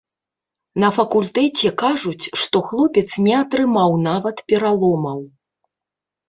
На факультэце кажуць, што хлопец не атрымаў нават пераломаў.